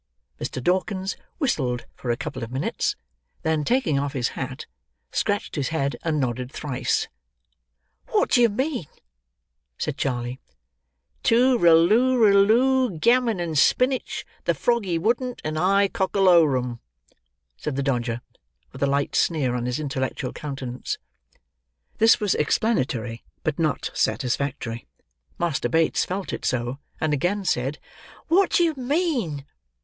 Mr. Dawkins whistled for a couple of minutes; then, taking off his hat, scratched his head, and nodded thrice. "What do you mean?" said Charley. "Toor rul lol loo, gammon and spinnage, the frog he wouldn't, and high cockolorum," said the Dodger: with a slight sneer on his intellectual countenance. This was explanatory, but not satisfactory. Master Bates felt it so; and again said, "What do you mean?"